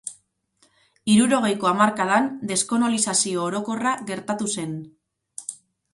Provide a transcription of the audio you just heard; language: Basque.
Hirurogeiko hamarkadan deskonolizazio orokorra gertatu zen.